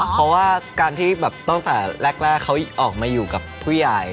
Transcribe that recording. เพราะว่าการที่แบบตั้งแต่แรกเขาออกมาอยู่กับผู้ใหญ่